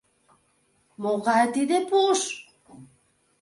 — Могай тиде пуш?